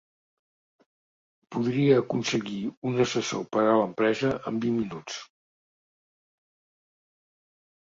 Podria aconseguir un assessor per a l'empresa en vint minuts.